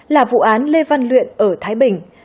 là vụ án lê văn luyện ở thái bình